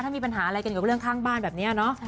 ถ้ามีปัญหาอะไรกันกับเรื่องข้างบ้านแบบนี้เนาะ